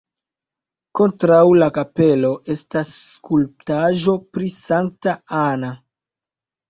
Kontraŭ la kapelo estas skulptaĵo pri Sankta Anna.